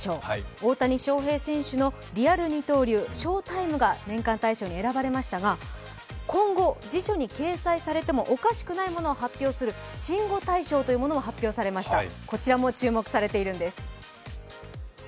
大谷翔平選手のリアル二刀流、ショータイムが年間大賞に選ばれましたが、今後、辞書に掲載されてもおかしくないものを発表する新語大賞も発表され、こちらも注目されているんです。